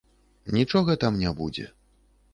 Нічога там не будзе.